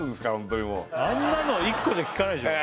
あんなの１個じゃきかないでしょ？